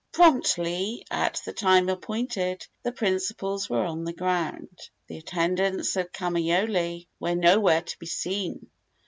Promptly at the time appointed the principals were on the ground. The attendants of Kamaiole were nowhere to be seen.